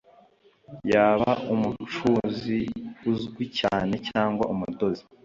Yaba umucuzi uzwi cyane cyangwa umudozi